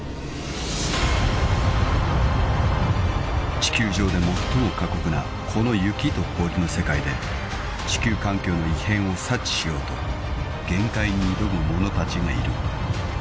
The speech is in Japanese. ［地球上で最も過酷なこの雪と氷の世界で地球環境の異変を察知しようと限界に挑む者たちがいる］